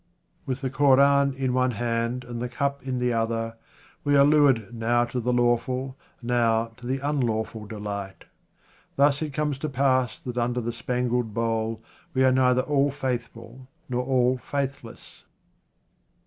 With the Koran in one hand and the cup in the other, we are lured now to the lawful, now to the unlawful delight. Thus it comes to pass that under the spangled bowl we are neither all faithful nor all faithless.